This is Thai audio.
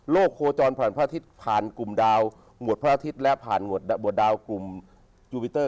โคจรผ่านพระอาทิตย์ผ่านกลุ่มดาวหมวดพระอาทิตย์และผ่านบวชดาวกลุ่มยูมิเตอร์